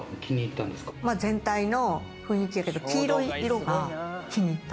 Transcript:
全体の雰囲気、黄色い色が気に入った。